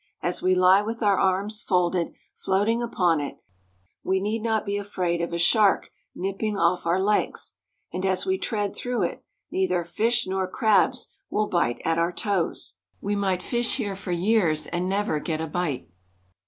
As we lie with our arms folded, floating upon it, we need not be afraid of a shark nipping off our legs ; and as we tread through it, neither fish nor crabs will bite at our toes. We might fish here for years and never get a bite.